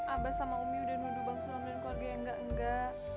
abah sama umi udah nuduh bang sulam dan keluarga yang gak enggak